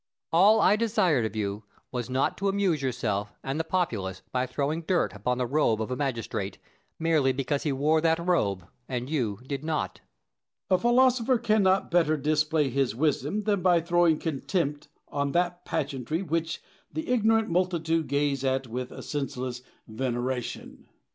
Plato. All I desired of you was, not to amuse yourself and the populace by throwing dirt upon the robe of a magistrate, merely because he wore that robe, and you did not. Diogenes. A philosopher cannot better display his wisdom than by throwing contempt on that pageantry which the ignorant multitude gaze at with a senseless veneration.